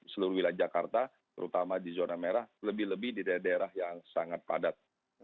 seluruh wilayah jakarta terutama di zona merah lebih lebih di daerah daerah yang sangat padat